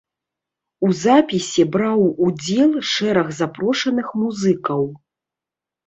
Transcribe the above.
У запісе браў удзел шэраг запрошаных музыкаў.